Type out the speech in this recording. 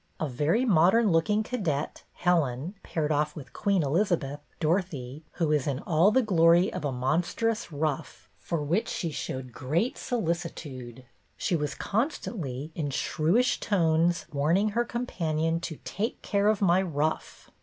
A very modern looking cadet (Helen) paired off with Queen Elizabeth (Dorothy) who was in all the glory of a monstrous ruff for which she showed great solicitude; she was constantly, in shrewish tones, warning her companion to " take care of my ruff."